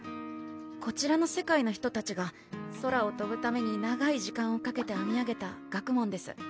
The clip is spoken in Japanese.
こちらの世界の人たちが空をとぶために長い時間をかけてあみ上げた学問です